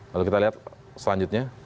lalu kita lihat selanjutnya